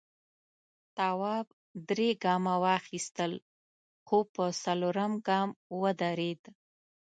تواب درې گامه واخیستل خو په څلورم گام ودرېد.